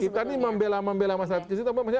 kita ini membela membela masyarakat